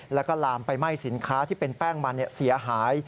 แล้วก็ลามไปไหม้สินค้าที่เป็นแป้งมันเสียหาย